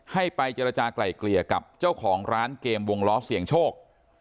ให้ไปเจรจากลายเกลี่ยกับเจ้าของร้านเกมวงล้อเสียงโชค